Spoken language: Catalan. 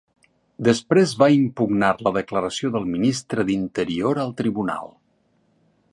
Després va impugnar la declaració del Ministre d'Interior al tribunal.